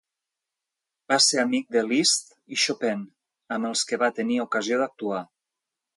Va ser amic de Liszt i Chopin, amb els que va tenir ocasió d'actuar.